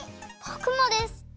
ぼくもです！